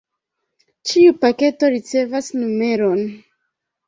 Ĉiu paketo ricevas numeron.